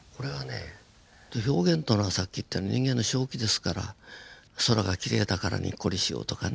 表現というのはさっき言ったように人間の正気ですから空がきれいだからにっこりしようとかね。